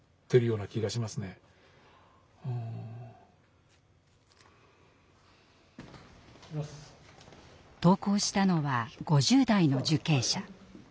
うん。投稿したのは５０代の受刑者。